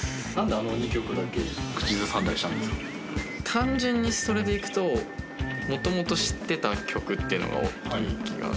単純にそれでいくと元々知ってた曲っていうのが大きい気がしますね。